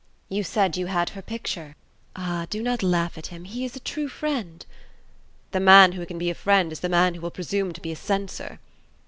"You said you had her picture." "Ah! do not laugh at him. He is a true friend." "The man who can be a friend is the man who will presume to be a censor."